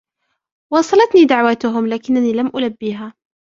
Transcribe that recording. وصلتني دعوتهم لكنني لم ألبيها